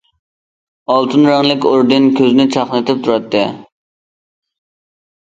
ئالتۇن رەڭلىك ئوردېن كۆزنى چاقنىتىپ تۇراتتى.